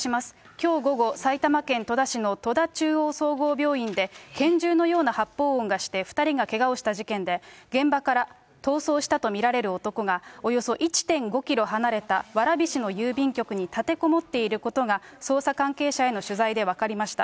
きょう午後、埼玉県戸田市の戸田中央総合病院で、拳銃のような発砲音がして、２人がけがをした事件で、現場から逃走したと見られる男が、およそ１．５キロ離れた、蕨市の郵便局に立てこもっていることが、捜査関係者への取材で分かりました。